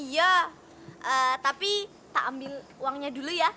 iya tapi tak ambil uangnya dulu ya